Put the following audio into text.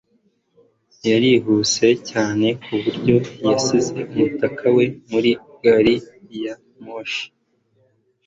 yarihuse cyane ku buryo yasize umutaka we muri gari ya moshi